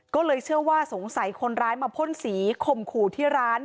ก็เลยเชื่อว่าสงสัยคนร้ายมาพ่นสีข่มขู่ที่ร้าน